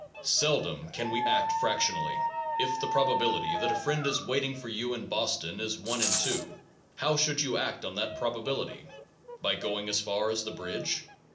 Seldom can we act fractionally. If the probability that a friend is waiting for you in Bos tion is 1 2, how should you act on that probability? By going as far as the bridge?